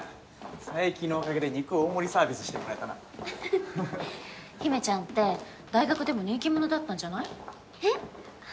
佐伯のおかげで肉大盛りサービスしてもらえたな陽芽ちゃんって大学でも人気者だったんじゃない？えっ？